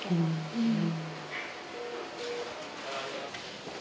うん。